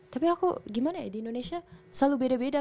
tapi aku gimana ya di indonesia selalu beda beda